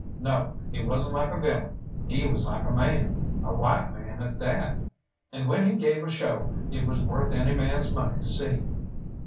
No, he wasn't like a villain, he was like a man a white man at that and when he gave a show it was worth any man's money to see.